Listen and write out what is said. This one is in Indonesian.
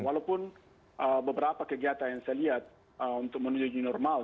walaupun ee beberapa kegiatan yang saya lihat ee untuk menuju normal